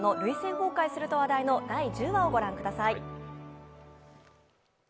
崩壊すると話題の第１０話をご覧ください。